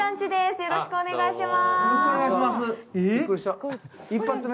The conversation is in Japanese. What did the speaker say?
よろしくお願いします。